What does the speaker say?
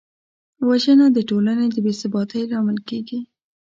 وژنه د ټولنې د بېثباتۍ لامل کېږي